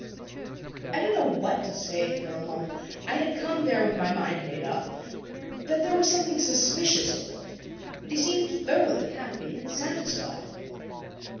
I didn't know what to say for a moment. I had come there with my mind made up that there was something suspicious afoot. But he seemed thoroughly happy and satisfied.